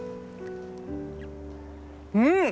うん！